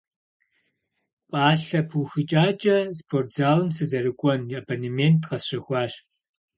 Пӏалъэ пыухыкӏакӏэ спортзалым сызэрыкӏуэн абонемент къэсщэхуащ.